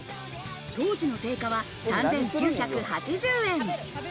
当時の定価は３９８０円。